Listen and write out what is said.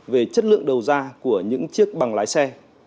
về chất lượng đầu ra của những chiếc bằng lái xe